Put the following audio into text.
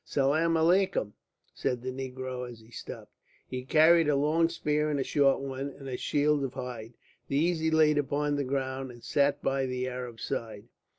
"Salam aleikum," said the negro, as he stopped. He carried a long spear and a short one, and a shield of hide. These he laid upon the ground and sat by the Arab's side.